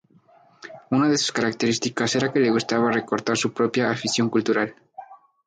Una de sus características era que le gustaba recortar su propia afición cultural.